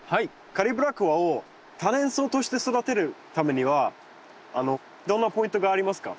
カリブラコアを多年草として育てるためにはどんなポイントがありますか？